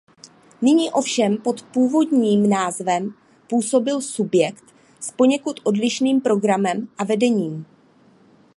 Nyní ovšem pod původním názvem působil subjekt z poněkud odlišným programem a vedením.